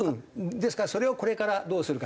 ですからそれをこれからどうするか。